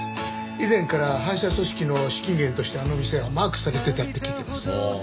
以前から反社組織の資金源としてあの店はマークされてたって聞いてます。